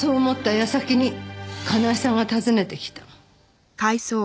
矢先にかなえさんが訪ねてきた。